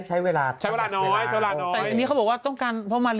ใช้โฟมมันเร็วกว่า